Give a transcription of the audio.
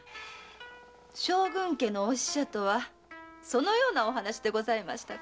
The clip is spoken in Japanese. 将軍家のお使者とはそのようなお話でございましたか？